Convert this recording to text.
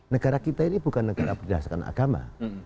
negara kita ini bukan negara berdasarkan agama